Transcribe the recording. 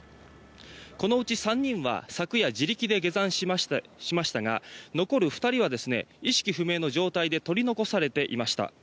このうち３人は昨夜、自力で下山しましたが残る２人は意識不明の状態で取り残されていました。